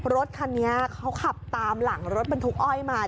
รถคันนี้เขาขับตามหลังรถบรรทุกอ้อยมา